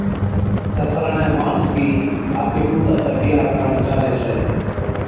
تہ فلاڻي ماڻس ڀِي آپڪي پُوتا چا بِيھا ڪرڻ چاھَوي ڇَي